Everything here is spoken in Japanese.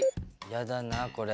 やだなこれ。